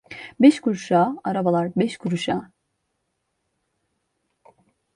Beş kuruşa, arabalar beş kuruşa..